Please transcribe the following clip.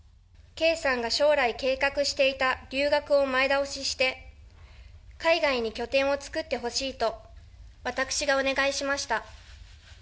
圭さんが将来計画していた留学を前倒しして、海外に拠点を作ってほしいと私がお願いしました。